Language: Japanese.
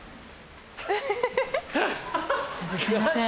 先生すいません。